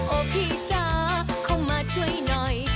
โอเคจ้าเข้ามาช่วยหน่อย